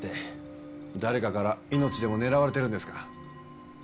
誰かから命でも狙われてるんですか？